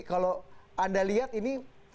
kalau anda lihat ini